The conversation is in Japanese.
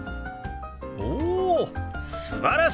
おおすばらしい！